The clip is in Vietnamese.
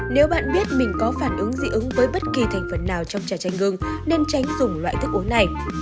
nếu bạn biết mình có phản ứng dị ứng với bất kỳ thành phần nào trong chà chanh gừng nên tránh dùng loại thức uống này